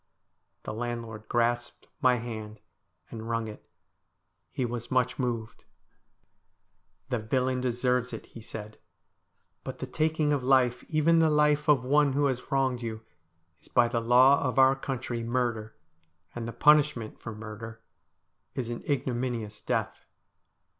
The landlord grasped my hand and wrung it. He was much moved. 286 STORIES WEIRD AND WONDERFUL ' The villain deserves it,' he said ;' but the taking of life, even the life of one who has wronged you, is by the law of our country murder, and the punishment for murder is an igno minious death.'